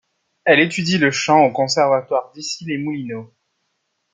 Elle étudie le chant au conservatoire d'Issy-les-Moulineaux.